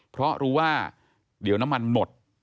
เพราะรู้ว่าเดี๋ยวน้ำมันหมด